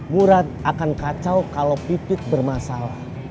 murat akan kacau kalau pipit bermasalah